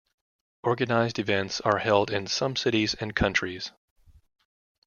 Organized events are held in some cities and countries.